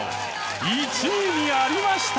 １位にありました！